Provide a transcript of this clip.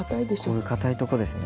こういう硬いとこですね。